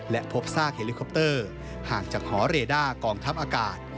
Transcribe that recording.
และพบซากเฮลิคอปเตอร์ห่างจากหอเรด้ากองทัพอากาศ